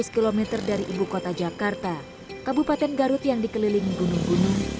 dua ratus km dari ibukota jakarta kabupaten garut yang dikelilingi gunung gunung